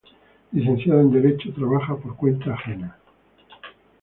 Licenciada en Derecho, trabaja por cuenta ajena.